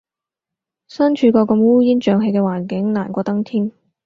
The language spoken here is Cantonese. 身處個咁烏煙瘴氣嘅環境，難過登天